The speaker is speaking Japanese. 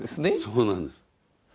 そうなんです。